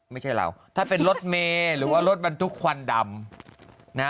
ไม่ใช่เราถ้าเป็นรถเมย์หรือว่ารถบรรทุกควันดำนะ